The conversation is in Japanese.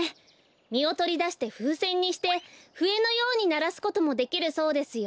みをとりだしてふうせんにしてふえのようにならすこともできるそうですよ。